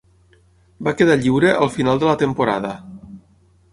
Va quedar lliure al final de la temporada.